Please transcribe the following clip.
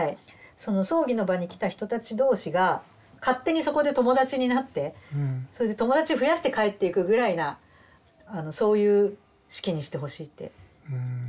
その葬儀の場に来た人たち同士が勝手にそこで友達になってそれで友達増やして帰っていくぐらいなそういう式にしてほしいって言われたんですよ。